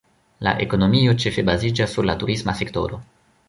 La ekonomio ĉefe baziĝas sur la turisma sektoro.